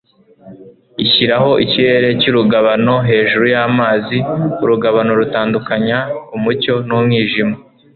ishyiraho ikirere cy'urugabano hejuru y'amazi, urugabano rutandukanya umucyo n'umwijima